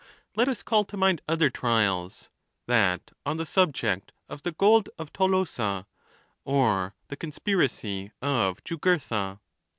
* Let us call to mind other trials: that on the subject of the gold of Tolosa, or the conspiracy of Ju gurtha.